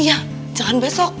iya jangan besok